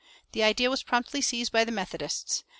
The idea was promptly seized by the Methodists.